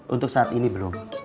untuk saat ini belum